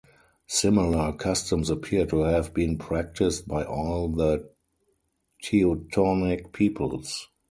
Similar customs appear to have been practiced by all the Teutonic peoples.